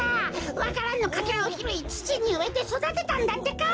わか蘭のかけらをひろいつちにうえてそだてたんだってか！